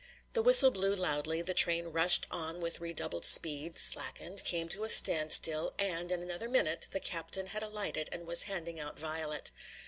The whistle blew loudly, the train rushed on with redoubled speed, slackened, came to a stand still, and in another minute the captain had alighted and was handing out Violet.